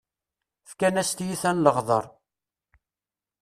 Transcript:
Fkan-as tiyita n leɣder!